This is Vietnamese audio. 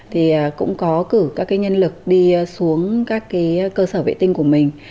thì cũng có cử các nhân lực đi xuống các cái cơ sở vệ tinh của mình